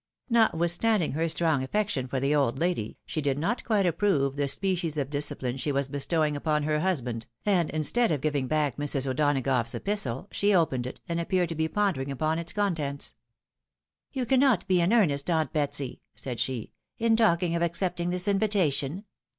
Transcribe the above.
Notwithstanding her strong affection for the old lady, she did not quite approve the species of disci 160 THE WIDOW MAKEIED. pline she was bestowing upon her husband, and instead of giving back Mrs. O'Donagough's epistle, she opened it, and ap peared to be pondering upon its contents. " You cannot be in earnest, aunt Betsy," said she, " in talking of accepting this invitation.